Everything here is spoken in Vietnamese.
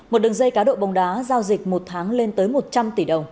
một đường dây cá độ bóng đá giao dịch một tháng lên tới một trăm linh tỷ đồng